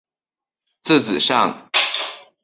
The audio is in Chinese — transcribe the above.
字子上。